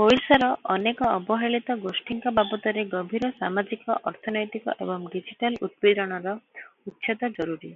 ଓଡ଼ିଶାର ଅନେକ ଅବହେଳିତ ଗୋଷ୍ଠୀଙ୍କ ବାବଦରେ ଗଭୀର ସାମାଜିକ-ଅର୍ଥନୈତିକ ଏବଂ ଡିଜିଟାଲ ଉତ୍ପୀଡ଼ନର ଉଚ୍ଛେଦ ଜରୁରୀ ।